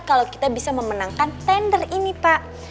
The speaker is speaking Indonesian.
kalau kita bisa memenangkan tender ini pak